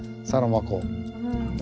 サロマ湖。